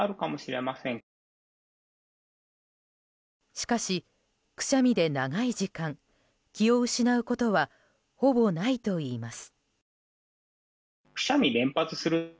しかしくしゃみで長い時間、気を失うことはほぼないといいます。